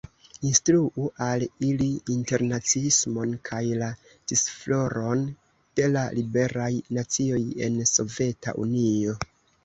Instruu al ili internaciismon kaj la disfloron de la liberaj nacioj en Soveta Unio.